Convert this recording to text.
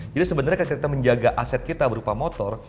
jadi sebenarnya ketika kita menjaga aset kita berupa motor